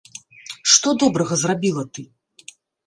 Што добрага зрабіла ты?